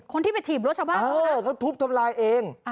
คนที่ไปถีบรถชาวบ้านเออเขาทุบทำลายเอง